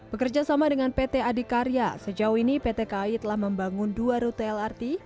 bekerja sama dengan pt adikarya sejauh ini pt kai telah membangun dua rute lrt